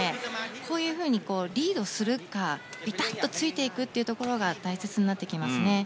こういうふうにリードするかビタッとついていくというところが大切になってきますね。